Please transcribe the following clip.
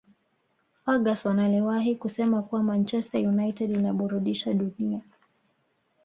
ferguson aliwahi kusema kuwa manchester united inaburudisha dunia